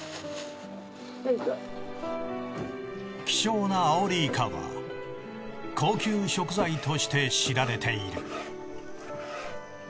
希少なアオリイカは高級食材として知られている。